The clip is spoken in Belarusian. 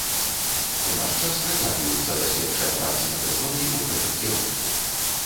У наш час працягваюцца даследчыя працы над іконай у гэтым кірунку.